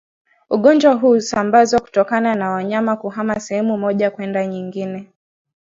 Ugonjwa huu husambazwa kutokana na wanyama kuhama sehemu moja kwenda nyingine